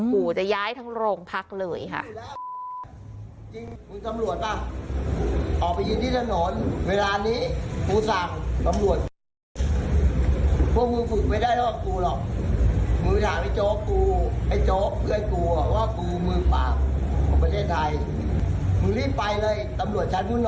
ขู่จะย้ายทั้งโรงพักเลยค่ะ